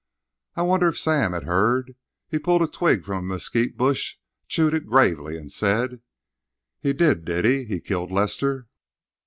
I wondered if Sam had heard. He pulled a twig from a mesquite bush, chewed it gravely, and said: "He did, did he? He killed Lester?"